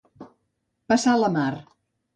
Passar la mar.